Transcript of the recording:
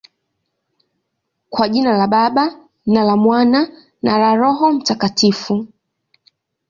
Kwa jina la Baba, na la Mwana, na la Roho Mtakatifu.